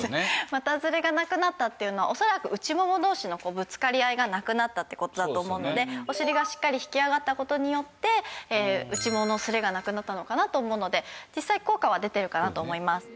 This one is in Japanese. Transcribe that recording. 股ずれがなくなったっていうのは恐らく内もも同士のぶつかり合いがなくなったって事だと思うのでお尻がしっかり引き上がった事によって内もものすれがなくなったのかなと思うので実際効果は出てるかなと思います。